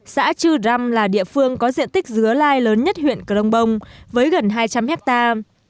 xã trư răm là địa phương có diện tích dứa lai lớn nhất huyện crompong với gần hai trăm linh hectare